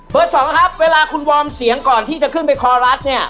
สองครับเวลาคุณวอร์มเสียงก่อนที่จะขึ้นไปคอรัดเนี่ย